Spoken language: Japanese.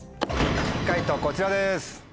解答こちらです。